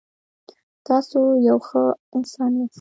تاسو یو ښه انسان یاست.